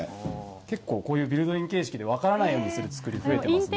結構こういうビルドイン形式で、分からないようにする作り増えてますね。